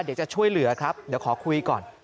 เดี๋ยวจะช่วยเหลือครับเดี๋ยวขอคุยก่อน